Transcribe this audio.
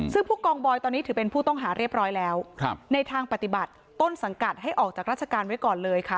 ซึ่งผู้กองบอยตอนนี้ถือเป็นผู้ต้องหาเรียบร้อยแล้วในทางปฏิบัติต้นสังกัดให้ออกจากราชการไว้ก่อนเลยค่ะ